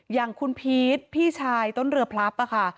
อย่างคุณพีชพี่ชายต้นเรือพลับค่ะ